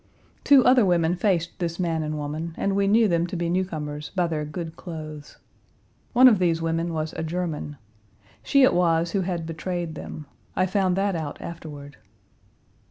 Two other women faced this man and woman, and we knew them to be newcomers by their good clothes. One of these women was a German. She it was who had betrayed them. I found that out afterward.